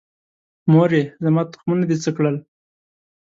مورې، زما تخمونه دې څه کړل؟